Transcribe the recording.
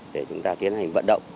để chúng ta tiến hành vận động